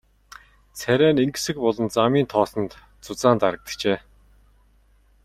Царай нь энгэсэг болон замын тоосонд зузаан дарагджээ.